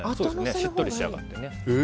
しっとり仕上がってね。